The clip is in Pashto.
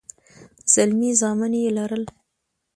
زلمي زامن يې لرل.